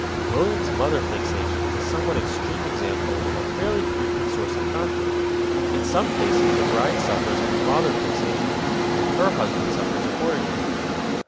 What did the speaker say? William's mother fixation is a somewhat extreme example of a fairly frequent source of conflict. In some cases the bride suffers from father fixation, and her husband suffers accordingly.